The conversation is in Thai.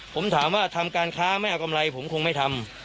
ผมถามว่าทำการค้าไม่เอากำไรผมคงไม่ทำ